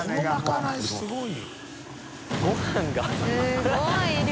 すごい量。